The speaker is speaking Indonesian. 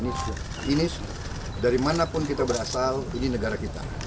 ini dari mana pun kita berasal ini negara kita